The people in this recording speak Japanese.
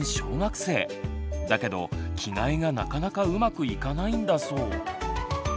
だけど着替えがなかなかうまくいかないんだそう。